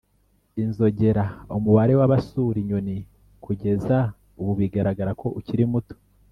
izongera umubare wa b’abasura inyoni kugeza ubu bigaragara ko ukiri muto